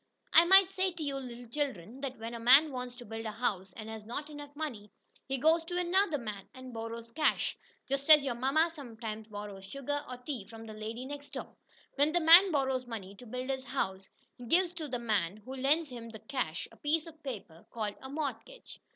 I might say to you little children that when a man wants to build a house and has not enough money, he goes to another man and borrows cash, just as your mamma sometimes borrows sugar, or tea, from the lady next door. When the man borrows money to build his house, he gives to the man who lends him the cash, a piece of paper, called a mortgage.